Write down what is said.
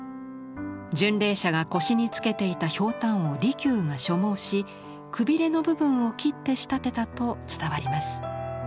巡礼者が腰につけていたひょうたんを利休が所望しくびれの部分を切って仕立てたと伝わります。